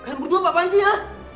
kalian berdua apa apaan sih ya